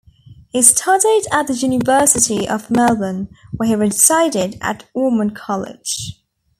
He studied at the University of Melbourne, where he resided at Ormond College.